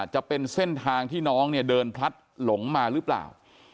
จะเป็นเส้นทางที่น้องเนี่ยเดินพลัดหลงมาหรือเปล่า